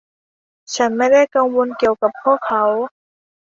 ฉันไม่ได้กังวลเกี่ยวกับพวกเขา